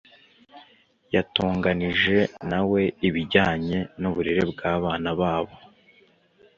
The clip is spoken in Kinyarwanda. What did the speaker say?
yatonganije nawe ibijyanye n'uburere bw'abana babo